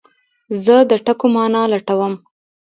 زه د ټکو مانا لټوم.